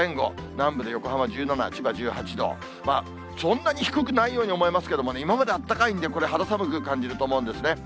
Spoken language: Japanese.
南部で横浜１７、千葉１８度、そんなに低くないように思えますけどね、今まであったかいんで、これ、肌寒く感じると思うんですね。